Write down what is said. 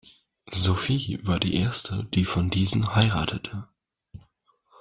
Sophie war die erste, die von diesen heiratete.